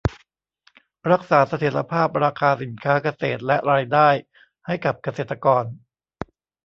รักษาเสถียรภาพราคาสินค้าเกษตรและรายได้ให้กับเกษตรกร